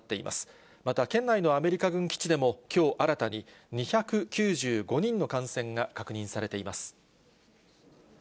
また、県内のアメリカ軍基地でも、きょう新たに２９５人の感染が確認されています。